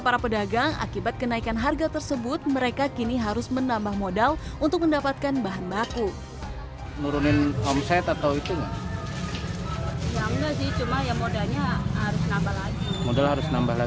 para pedagang akibat kenaikan harga tersebut mereka kini harus menambah modal untuk mendapatkan bahan baku